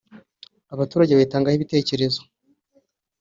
abaturage bayitangaho ibitekerezo